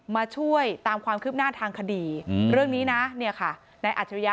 มาช่วยตามความคืบหน้าทางคดีเรื่องนี้นะเนี่ยค่ะในอัจฉริยะ